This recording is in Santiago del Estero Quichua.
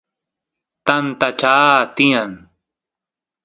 tanta chaa tiyan